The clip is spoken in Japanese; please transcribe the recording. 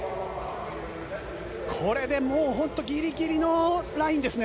これで、もうギリギリのラインですね。